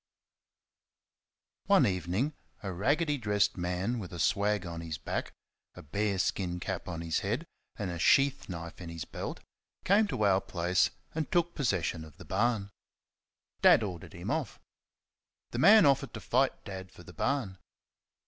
One evening a raggedly dressed man, with a swag on his back, a bear skin cap on his head, and a sheath knife in his belt, came to our place and took possession of the barn. Dad ordered him off. The man offered to fight Dad for the barn.